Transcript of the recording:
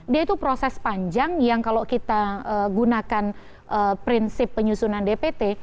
dia itu proses panjang yang kalau kita gunakan prinsip penyusunan dpt